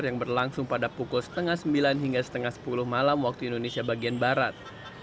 yang berlangsung pada pukul sembilan tiga puluh hingga sepuluh tiga puluh malam waktu indonesia bagian barat